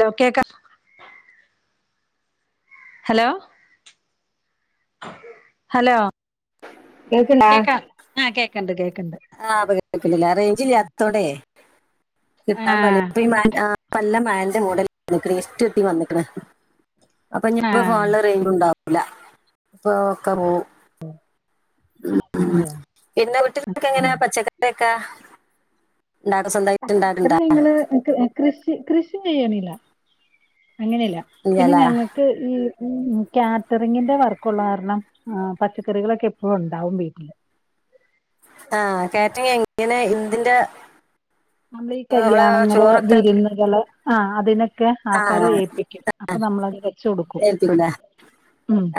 Law കേക്കാ hello hello കേക്കാം ആഹ് കേക്ക്ണ്ട് കേക്ക്ണ്ട് ആഹ് പ്പ കേക്ക്ണ്ട്ല്ലേ റേഞ്ചില്ലാത്തോണ്ടേയ് കിട്ടാൻ പണിയാ ആഹ് [unintelligible] ആഹ് പ്പല്ല മയന്റെ മുടൽ വന്ന്ക്ക്ണ് ഇര്റ്റുത്തി വന്ന്ക്ക്ണ് അപ്പൊ ഞ്ഞിപ്പൊ ആഹ് ഫോൺല് റേഞ്ചുണ്ടാവു ലാ ഇപ്പ ഒക്കെ പോവും ഉം ഉം അതെ പിന്നെ വീട്ടിൽകൊക്കെ എങ്ങനേ പച്ചക്കറിയൊക്കേ [unintelligible] അന്ക്ക് ഏഹ് കൃഷ് റ്റ് കൃഷിയെയ്യ്ണില്ല അങ്ങനേയല്ലാ പിന്നെ ഇല്ലല്ല ഞങ്ങക്ക് ഈ [unintelligible] കാറ്ററിംഗിന്റെ വർക്കുള്ള കാരണം ആഹ് പച്ചക്കറികളൊക്കെ എപ്പൊഴും ഉണ്ടാവും വീട്ടില് ആഹ് കാറ്ററിംഗ് എങ്ങനെ എന്തിന്റെ നമ്മളെ ഈ കല്യാണങ്ങള് വിരുന്നുകള് ആഹ് അതിനൊ ക്കെ ആ ആൾക്കാരെ ഏൽപ്പിക്ക്യും അപ്പ നമ്മളത് വെച്ചൊടുക്കും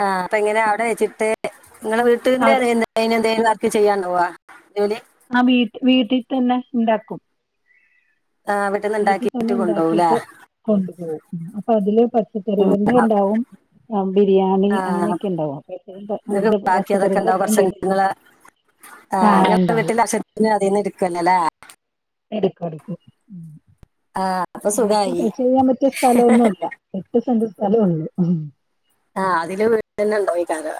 ആഹ് അപ്പ എങ്ങനെയാ അവിടെ വെച്ചിട്ട് ഇങ്ങളെ വീട്ട്ന്ന്‌ അവർ [unintelligible] എന്തേലും [unintelligible] ക്ക് ചെയ്യാണ്ടാവോ ജോലി ആഹ് വീ വീട്ടിതന്നെ ഇണ്ടാക്കും ആ വീട്ടിൽ നിന്ന് വീട്ടി തന്നെ ഉണ്ടാക്കിയിട്ട് കൊണ്ടുപോകൂല ഉണ്ടാക്കിട്ട് കൊണ്ടുപോവും ഉം അപ്പൊ അതില് പച്ചക്കറികള്ന്റെ ഇണ്ടാവും ആഹ് ബിരിയാണി ആ അങ്ങനെയൊക്കേണ്ടാവും അപ്പ [unintelligible] ഇത് നിങ്ങൾക്ക് പച്ചക്കറികളൊക്കെ [unintelligible] ആഹ് ഇങ്ങളെ വീട്ടിലെ ആവശ്യത്തിന് അതീന്ന് ഇട്ക്കല്ലോല്ലെ ഇട്ക്കും എടുക്കും ആ അപ്പൊ ഞങ്ങക്ക് സുഖമായി കൃഷി ചെയ്യാൻ പറ്റിയ സ്ഥലൊന്നുല്ലാ എട്ട് സെന്റ് സ്ഥലോള്ളൂ ആഹ് അതില് വീടന്നെ ഇണ്ടാവേക്കാരം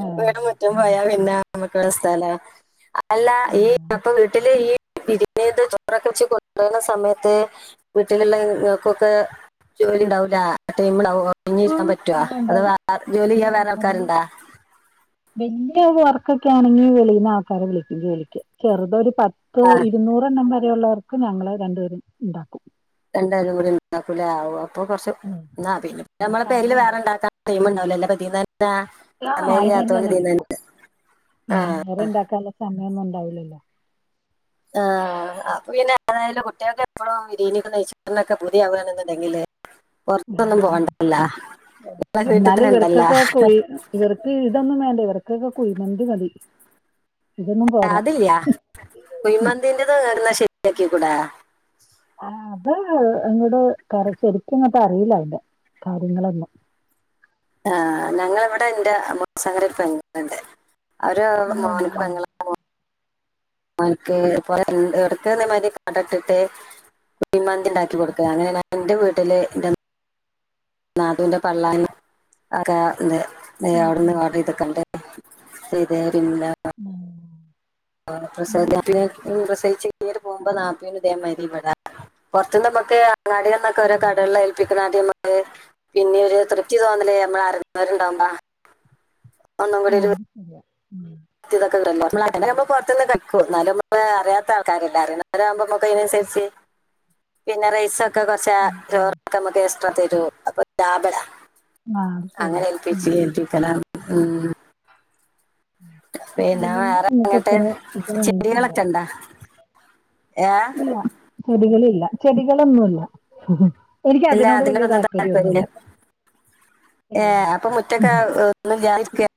ആ വീടും മുറ്റും പോയാ പിന്നെ നമ്മക്കേടെ സ്ഥലം അല്ല ഈ അപ്പം വീട്ടില് ഈ [unintelligible] ചോറൊക്കെ വെച്ച് കൊണ്ടോവുന്ന സമയത്ത് വീട്ടില്ള്ള ഇങ്ങക്കൊക്കേ ജോലി ഇണ്ടാവൂല്ലാ ടൈമ്ണ്ടാവോ ഒഴിഞ്ഞിരിക്കാൻ പ ഇണ്ടാവും ഇണ്ടാവും ഇല്ല അതില് ആൾക്കാരുണ്ടാ വല്ല്യേ [unintelligible] വർക്കൊക്കേ ആണെങ്കി വെളീന്ന് ആൾക്കാരെ വിളിക്കും ജോലിക്ക് ചെറുതൊര് പത്തോ ആ ഇരുന്നൂറെണ്ണം വ രെയുള്ളവർക്ക് ഞങ്ങള് രണ്ടുപേരും ഇണ്ടാക്കും രണ്ടാളുക്കൂടി ഇണ്ടാക്കുലെ ആവു അപ്പൊ കൊറച്ച് ഉം. ഇന്നാ പിന്നെ നമ്മളെ പെരേല് പണിയുണ്ട് വേറെണ്ടാക്കാൻ ടൈമ് ണ്ടാവൂലല്ലോ അപ്പതീന്നെന്നാ ആ ഇത് സമയല്ലാത്തോണ്ട് തന്നെ ഇതീന്നെ എടുക്കും ആഹ് ആഹ് അങ്ങനന്നും ഉണ്ടാവൂലല്ലോ ആഹ് അപ്പൊ പിന്നെ ഏതായാലും കുട്ട്യോൾക്കെപ്പളും വിര്യേണ്യൊക്കെ കയ്ച്ചാനൊക്കെ പൂതിയാവാണ് ന്ന്ണ്ടെങ്കില് പൊറത്തൊന്നും പോണ്ടല്ലാ എന്നാലും ഇവർക്കൊക്കെ കുഴി ഇവർക്ക് ഇതൊന്നും വേണ്ടേ ഇവർ ക്കൊക്കെ കുഴിമന്തി മതി ഇതൊന്നും പോരാ അതില്ല്യേ കുയ്മന്തിന്റെത് ഇട്ന്ന് ശരിയാക്കി കൂടേ ആഹ് അത് ഇങ്ങട് കറ ശരിക്ക്ങ്ങട്ട് അറീല അയ്ൻ്റെ കാര്യങ്ങളൊന്നും ആഹ് ഞങ്ങള് ഇവടെ ഇന്റെ അമ്മോ സാക്കാൻ്റെ ഒരു പെങ്ങള്ണ്ട് അവരെ മോൻക്ക് അങ്ങനെയുണ്ടല്ലേ പെങ്ങളെ മോ മോൻക്ക് ഇപ്പൊ ഇൻ എവടക്കേർഞ്ഞമാരി കട ഇട്ടിട്ട് കുയ്മന്തി ഇണ്ടാക്കി കൊടുക്ക അങ്ങനെ ഞാൻ ഇൻ്റെ വീട്ടില് ഇൻ്റെ നാത്തൂന്റെ പള്ളാനും ഒക്കെ ഇണ്ട് [unintelligible] ഉം അവിട്ന്ന് ഉം ഓഡറീത്ക്കണ്ട്. ചെയ്തേ പിന്നെ [unintelligible] ആഹ് ഇന്ന് പ്രസവത്തിന് [unintelligible] പ്രസവി ചീര്‌ന്യേറ്റ് പോവുമ്പോ നാപ്പയ്ന് ഇതേമാരി ഇവടെ പൊറത്ത്ന്ന്മ്മക്ക് അങ്ങാട്യോൾന്നൊക്കെ ഓരോ കടേൾല് ഏൽപ്പിക്കണാദ്യമ്മ പിന്നീ ഒരു തൃപ്തി തോന്നല് നമ്മള് അറിണോര്ണ്ടാവുമ്പളാ ഒന്നും ആ കൂടിയൊരു വൃ അത് ശരിയാ ഉം ത്തി [unintelligible] പൊറത്ത് ന്ന്ക്കെ ഇട്ക്കും ഇന്നാലും [unintelligible] അതറ്യാത്ത ആൾക്കാരല്ലേ അറി ണോരാവുമ്പൊമ്മൊക്കയ്നന്സരിച്ച് പിന്നെ റൈസ ക്കെ കൊറച്ച് ഉം ഉം ചോറൊക്കെ നമുക്ക് എക്സ്ട്രാ തരൂ അപ്പൊ ലാഭ ലേ ആ അത് അങ്ങനെ ശരിയാ ആ ഏൽപ്പിച്ച ഏപ്പിക്കല ഉ പിന്നെ കുഴിമന്തി വേറെ ഞങ്ങക്ക് അങ്ങിട്ട് അത്ര ഇതായിട്ടില്ല ചെടികളൊക്കെ ഇണ്ടാ ഇല്ല ചെടികള ഇില്ല ചെടികളൊന്നുംല്ല എനിക്ക് ഇല്ല അതിനോട് വല്ിയ അതിനോടൊന്നും താല്പര്യൊന്നുമല്ല താല്പര്യം ഏ അപ്പൊ മുറ്റക്കെ ഒന്നും ാനിക്ക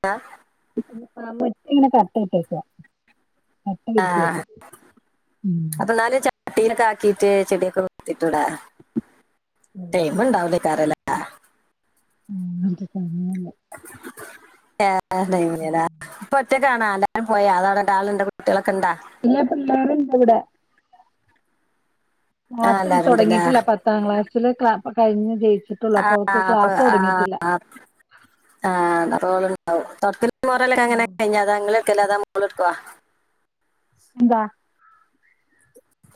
ആ മറ്റ ഇങ്ങനെ കട്ട ആട്ടേക്കാ ആഹ ഉം അപ്പൊ എന്നല് ചട്ടീനൊക്കെ ആാക്കിട്ട് ചടക്ക തട ഉം. മണ്ടാവല കാരല്ല ഉം അ ന പറ്റ കാണ എല്ലാവും പോ അതാണ് ആളൻന്റെ കുട്ടികളെ ഇന്നപ്പ ഞ കൂടെ ആ ക്ലാസ്സിൽ എല്ലാരും ഉണ്ടല്ലേ തുടങ്ങിട്ടില്ല പത്താം ക്ലാസ്സിില് ക് കഴിഞ് ജയിച്ച ആ അപ്പ ആ ആണ്ടാവും തട്ട മുൊറലൊക്കെങ്ങനെ കഴിഞ്ഞാ അത അങ്ങെ എടുല്ലാതാ മോൾടുക്കുവവാ എന്താ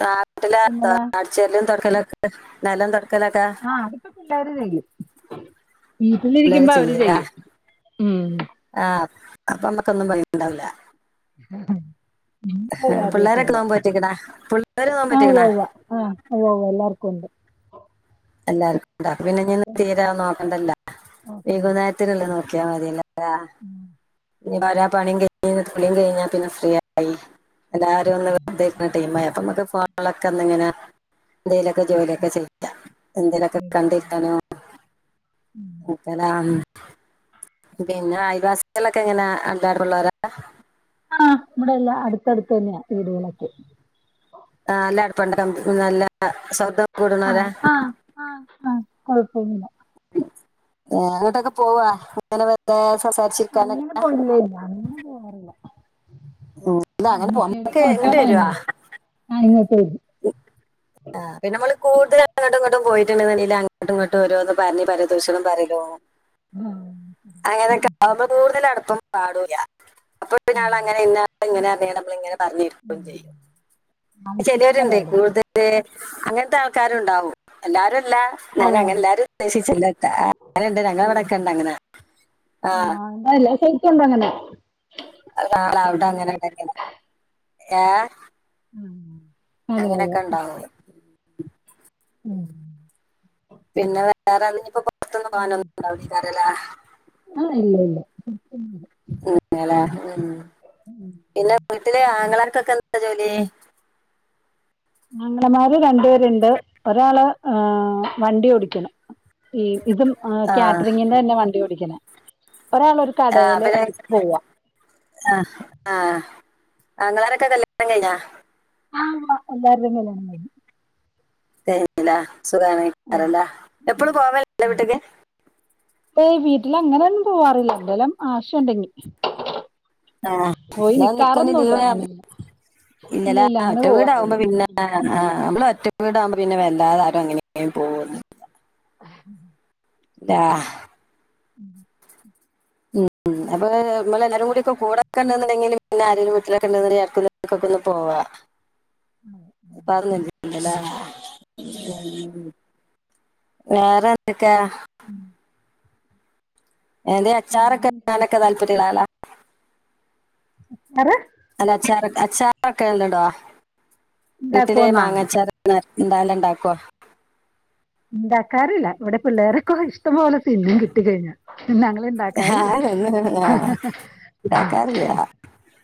താട്ടില എന്നതാ തടച്ചല്ലും തുൊടക്കലൊക്കെ നിലം തുടക്ക ആഹ അതിപ്പോ പിള്ളാവരും ചെയ്യും വീട്ടിലിരിക്കുമ്പ അവര് ചെയ്യും ഉ ആഹ അപ്പൊ നമ്മക്കൊന്നും പയണ്ടാവില്ല ഉ ഉ അത് പിള്ളേരൊക്കെ അറിയത്തിില്ല നോമ്പ് പറ്റിക്കണ പിള്ളേര് നോമ്പ് പറ്റിക്കണ ആ്വ്വ ആഹ് ഓവ്വ എല്ലാർക്കും ഉണ്ട് എല്ലാവർക്കും ഉണ്ട പിന്നെ ഇന്ന് തീരാൻ നോക്കണ്ടല്ല കുഴപ്പമില്ല വകുനയത്തിനുള്ള നോക്കിയാൽ മതിയല്ലേ ആ ഒരാ പണിയും കഴിഞ്ഞ തുളിയും കഴിഞ്ഞാ പിന്നെ ഫ്രീയയി എല്ലാരും ഒന്ന് വെതുന്ന ടീ അപ്പ നമ്മക്ക് ഫളൊക്കെന്നിങ്ങനെയ എന്തേലൊക്കെ ജോലിയൊക്കെ ചെയ്യാം എന്തേലൊക്കെ കണ്ടിരിക്കാനോ [inaudible] പിന്നെ അയൽവാസികളൊക്കെ എങ്ങനെ [inaudible] ആ ഇവിടെ എല്ലാം അടുത്തടുത്ത് തന്നെയാ വീടുകളൊക്കെ ആ നല്ല അടുപ്പമുണ്ട് നല്ല സൗഹൃദം കൂടണോരാ കുഴപ്പമില്ല ഏ അങ്ങോട്ടൊക്കെ പോവാ അങ്ങനെ അങ്ങനെ [inaudible] [inaudible] പോയില്ലേ ഇല്ല അങ്ങനെ ഉം. ഇത് അങ്ങനെ പോ- [inaudible] നമുക്ക് ഇങ്ങോട്ട് വരുവാ [inaudible] ആ പിന്നെ നമ്മൾ കൂടുതൽ അങ്ങോട്ടും ഇങ്ങോട്ടും പോയിട്ടുണ്ടന്നുണ്ടെങ്കിൽ അങ്ങട്ടും ഇങ്ങോട്ടും ഓരോന്ന് പറഞ്ഞ് പരദൂഷണം പറയല്ലോ ആ അങ്ങനൊക്കെ ആവുമ്പോ കൂടുതൽ അടുപ്പം പാടൂല്ല അപ്പോൾ ആ, ആ. അങ്ങനെ ഇ ഇങ്ങനെ അത നമ്മൾ ഇങ്ങനെ പറഞ്ഞിരിക്കുകയും ചെയ്യും. അതെ അതെ കൂടുതൽ അങ്ങനത്തെ ആൾക്കാർ ഉണ്ടാകും എല്ലാവ ഞാൻ അതെ അങ്ങനെ അതെ എല്ലാവരെയും ഉദ്ദേശിച്ചിട്ടല്ലട്ട അങ്ങനെ ഉണ്ട് ഞങ്ങളവിടൊക്കെ ഉണ്ട് ഇങ്ങനെ ആ [inaudible] [inaudible] നാളെ ആവട്ടെ അങ്ങനെ ഉണ്ടാക്ക [inaudible] [inaudible] അതെ അങ്ങനെയൊക്കെ ഉണ്ടാവുന്നത് ഉം. പിന്നെ വേറെ അതിനിയിപ്പോ പുറത്ത നിന്ന് ഉം. പോകാനൊന്നും [inaudible] ആ ഇല്ല [inaudible] [inaudible] പിന്നെ വീട്ടിലെ ആങ്ങളാർക്കൊക്കെ ജോലി അങ്ങളനമാർ രണ്ടു പേരുണ്ട് ഒരാൾ ഏ വണ്ടി ഓടിക്കുന്നു ഈ ഇതും ആ കാറ്ററിങ്ങിന്റെ തന്നെ വണ്ടി ഓടിക്കുന്നേ ആ പിന്നെ ആ ആ ആങ്ങളമാരൊക്കെ കല്യാണം കഴിഞ്ഞ ആ എല്ലാവരുടയും കല്യാണം കഴിഞ്ഞു സുഖമാണ് എപ്പോഴും പോവൽ ഉണ്ടോ ആ. വീട്ടിൽ വീട്ടിൽ അങ്ങനെ ഒന്നും പോവാറില്ല എന്തേലും ആവശ്യമുണ്ടെങ്കിൽ ആ [inaudible] [inaudible] അങ്ങനെ ഇല്ല ഇങ്ങനെ ഇല്ല അങ്ങനെ ഒറ്റ വീടാവുമ്പോ പോവാറില്ല പിന്നെ ആ നമ്മൾ ഒറ്റ വീടാകുമ്പോ പിന്നെ വല്ലാതെ ആരും അങ്ങനെ പോവില്ല [inaudible] [inaudible] [inaudible] ഉം ഉ അപ്പൊ നമ്മെ എല്ലാവരും കൂടി ഒ ഒക്കെ കൂടൊക്കെണ്ടെങ്കിൽ പിന്നെ ആരെങ്കിലും വീട്ടിലൊക്കെ [inaudible] ഒന്ന് പോവാം. [inaudible] [inaudible] വേറെന്തക്കാ [inaudible] എന്റെ വേറെ അച്ചാറൊക്കെ എന്താ? നിന്നാൽ താലപര്യമുള്ള ആളാ [inaudible] അല്ല അച്ചാർ അച്ചാറൊക്കെ ഇണ്ടോ വീട്ടിൽ ഉണ്ടാക്കുവോന്നാ മാങ്ങ അച്ചാർ എന്തായാലും ഉണ്ടാക്കോ ഉണ്ടാക്കാറില്ല ഇവിടെ പിള്ളേർക്കെ ഇഷ്ടം പോലെ തിന്നും കിട്ടി കഴിഞ്ഞാൽ ഞങ്ങൾ ഉണ്ടാക്കാറില്ല ഞാനൊന്നും ആ ഉണ്ടാക്കാറില്ല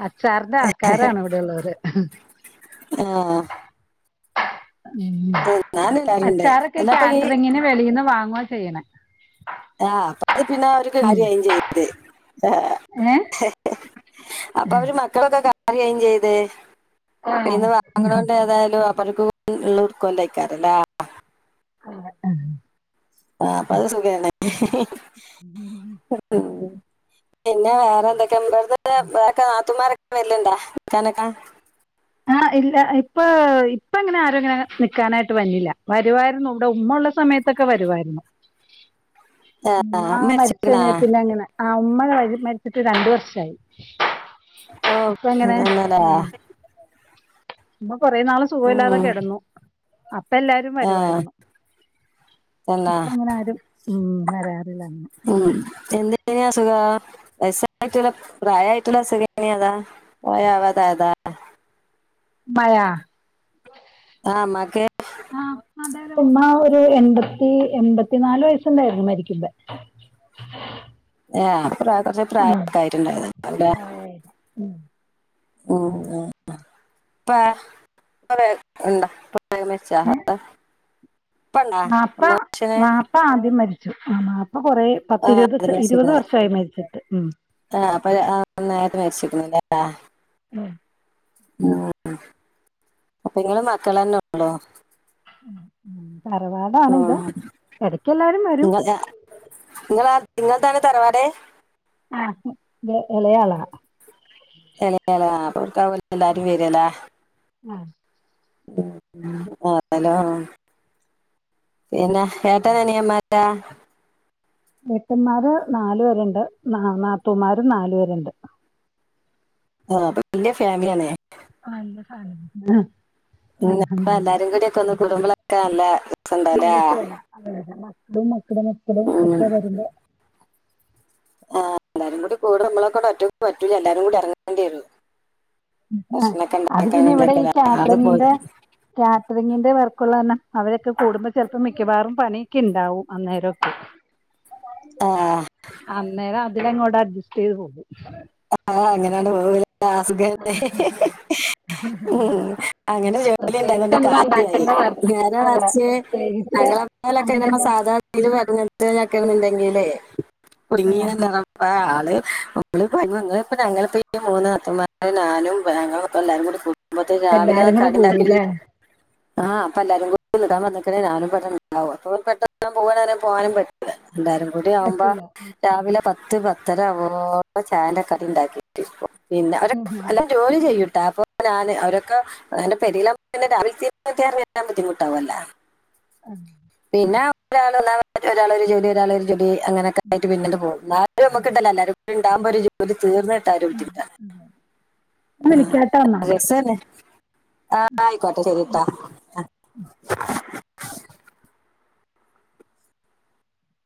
അച്ചാറിൻ്റെ ആൾക്കാരാണ് ഇവിടെയുള്ളവർ ആ ഉ തിന്നാനില്ലാരുണ്ട് അച്ചാറൊക്കെ എന്നപ്പ ഈ കാറ്ററിങ്ങിന് വെളിന്ന് വാങ്ങുവ ചെയ്യണ ആഹ അപ്പൊ അത് പിന്നെ ഒരു ഉം കാര്യയും ചെയ്ത് ഏ അപ്പൊ അവര് മക്കളൊക്കെ കറുകയും ചെയ്ത് ആഹ് ഇന്ന് വാങ്ങണണ്ട് ഏതായാലും ക്ക ഉള്ള ഉർക്കണ്ടഴക്കാറല്ലേ ആ ആഹ ആഹപ്പത് സുഖന്ന പിന്നെ വേറെ എന്തൊക്കെ നമാർ വല്ലണ്ടാ നി ക്കാനക്കാ ആഹ ഇല്ല ഇപ്പൊ ഇപ്പ അങ്ങനെ ആരുംങ്ങനെ നിക്കാനായിട്ട് പന്നില്ല വരുവാരരുന്നുണ്ട് ഉമ്മുള്ള സമയത്തൊക്കെ വരുവായിരുന്നു ആ ഉ്മ്മ മരിച്ച മരിച്ചിരിക്കണാ കഴിഞ്ഞാൽ പിന്നെ അങ്ങനെ ആ ഉമ്മ മരിച്ചിട്ട് രണ്ട വർഷയി ഓ ഇപ്പ എങ്ങനെ തന്നല്ലേ ആ ഇമ്മ കൊറെേ നാള് സുഖമല്ലാതെ ഉം. കെ ഇടന്നു ഇപ്പ എല്ലാരും ആ വരുവായിരുന്നു തന്നെ ഇപ്പ അങ്ങനെ ആരും ഉ വരാ ഉം എന്തനെയ സുഖ രസായിട്ടുള്ള പ്രായമായിട്ടില്ല ശരിയന അതാ പോയവാതാ അതാ മയാ ആമാക്കെ സിമ ഒരു എൺമ്പത്തി എൺമ്പത്തി നാല്ു വയസ്സുണ്ടായിരുന്നു മരിക്കുമ ഇ്പ ഏ പ്രായ കുറച്ച പ്രായക്കണ്ടായി അല്ല ഉം ഉണ്ടാ പ്രമച്ചാ ഇപ്പൊ മാപ്പ മാപ്പ ആദ്യം മരിച്ചു ആ മാപ്പ അപ്പൊ കൊറ ആ അത് പത്തിരുപത് ഇരുപത് മരിച്ചിരിക്കുന്നത് വർഷമായി മരിച്ചിട്ട് ഉ പില്ല ഉം ഉ അപ്പ നിങ്ങള് മക്കൾ തന്നെള്ളോ ഉം തറവാടാണ് ഓ ഇത് എടക്കെല്ലാരും വരും ഗള നിങ്ങൾ താണ് തറവാടേ ആഹ വിളയാള അല്ല അപ്പക്കല എല്ല അാരും വരല്ല ആഹ ആലോ പിന്നെ ഏട്ടനനിയമാരാ വട്ടന്മാര് നാലു പേരുണ്ട് ന നാത്തൂമാരും നാലു പേരുണ്ട് ആഹ അപ്പൊ വല്യ ഫാമിലിയണ ആല്ല സല ഉ അപ്പൊ എല്ലാരും കൂടിൊക്കെ ഒന്ന് കുടുുംബളൊക്കെ അല്ല മനസല്ല അ മക്കളും മക്കളും മക്കളും ഉം ഒക്കെ വരുന്ന ആ എല്ലാരും കൂടി കൂടെ നമ്മളെക്ക കൊ ഒറ്റ പറ്റൂല എല്ലാരും കൂടി ഇറങ്ങേണ്ടി വള്ളൂ ആ അത് പിന്നെ ഇവിടെ ഈ ആള് പോയി കാറ്ററിങ്ങിന്റെ അതുങ്ങിന്റെ വർക്കുള്ള തന്ന അവരൊക്കെ കൂടുമ്പോ ചെപ്പോ മിക്കവാറും പണിയൊക്കെ ഉണ്ടാവും അന്നേരമൊക്കെ ആഹ ഇ ഇങ്ങോട്ട് അഡ്ജസ്റ്റ് ചെയ്ത് പോകും ആഹ അങ്ങനെയാണ് പോവ അസുഖല്ലേ ഉ അങ്ങനെ ജോലി ഉണ്ട അതുകൊണ്ട് പ്രത്യേകിച്ചൊന്നും കാര്യായി ഉണ്ടാക്കേണ്ട കാരണം ഞാന അല്ല മറച്ച് പ്രത്യേകിച്ച് ഞങ്ങള പോലൊക്കെ നമ്മൾ അങ്ങനെയൊന്നും സാധാരണൽ വര ണ്ടെങ്കിലേ കുടുങ്ങിയ നിറ ആള്മ്മള് നിങ്ങള ഇപ്പ ഞങ്ങളിപ്പപ്പോ ഈ മൂന്ന് അത്തന്മാരും ഞാനും ഞപ്പം എല്ലാരും കൂടി കുടുംബത്തെ രാവിലെ എല്ലാരും കൂടെ കടണ്ടാക്ക കൂടൂലേ ആഹ് അപ്പ എല്ലാരും കൂ ഇാൻ വന്നിക്ക ആാലും പെട്ടണ്ടാവും അപ്പോ പെട്ട പോകൻ പോവാനും പെില്ല എല്ലാരും കൂടി ആവുമ്പോ പറ്റൂല രാവിലെ പത്ത് പത്തര ആവോ അപ്പ ചാൻന്റെ കറി ഉണ്ടാക്കി പിന്നെ അവല്ല ജോലി ചെയ്യൂട്ടും അപ്പൊ ഞാന് അവരൊക്കെ എന്റെ പെരില രിലെീരുാൻ ബുദ്ധിമുട്ടാവല്ലോ ഉം പിന്നെ ഒരാൾ ഒരാളൊരു ജോലി ഒരാള ഒരു ജോലി അങ്ങനെക്ക ആയി് പിന്നട്ട പോും നമുല്ലരുംണ്ടകുമോ ഒരുോ തീർന്നട്ട് ആരും പറ്റില്ല ഞാൻ വിളിക്കാട്ടോ എന്നാ ആ രസന്നെ ആ ആയിക്കോട്ടെ ശരിട്ടാ